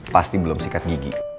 pasti belum sikat gigi